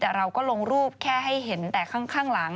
แต่เราก็ลงรูปแค่ให้เห็นแต่ข้างหลัง